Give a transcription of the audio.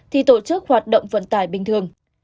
thì tổ chức hoạt động vận tải bình thường